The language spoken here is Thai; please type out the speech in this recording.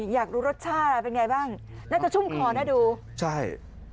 อยากรู้รสชาติเป็นไงบ้างน่าจะชุ่มคอนะดูใช่